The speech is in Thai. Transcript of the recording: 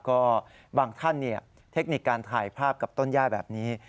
ก็บางท่านเทคนิคการถ่ายภาพกับต้นย่าแบบนี้